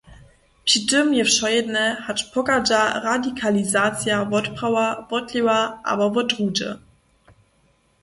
Při tym je wšojedne, hač pochadźa radikalizacija wotprawa, wotlěwa abo wot druhdźe.